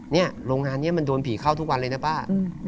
นี่โรงงานนี้มันโดนผีเข้าทุกวันเลยนะป้า